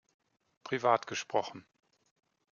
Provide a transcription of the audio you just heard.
Privat gesprochen.